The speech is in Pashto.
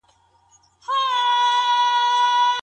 زده کړه باید تفریح او خوند ولري.